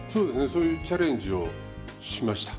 そういうチャレンジをしました。